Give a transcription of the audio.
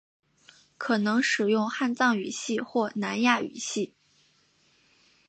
可能使用汉藏语系或南亚语系。